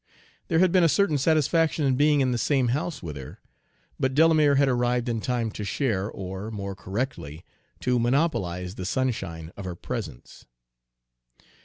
There had been a certain satisfaction in being in the same house with her, but Delamere had arrived in time to share or, more correctly, to monopolize, the sunshine of her presence.